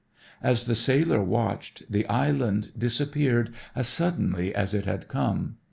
As the sailor watched the island disappeared as suddenly as it had come.